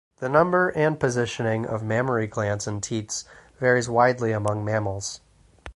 The number and positioning of mammary glands and teats varies widely among mammals.